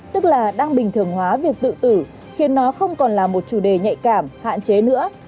tức là đang bình thường hóa việc tự tử khiến nó không còn là một chủ đề nhạy cảm hạn chế nữa